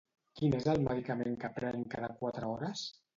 Quin és el medicament que prenc cada quatre hores?